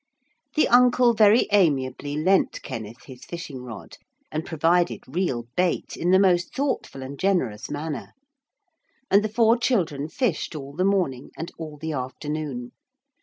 The uncle very amiably lent Kenneth his fishing rod, and provided real bait in the most thoughtful and generous manner. And the four children fished all the morning and all the afternoon.